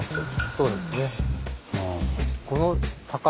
そうですね。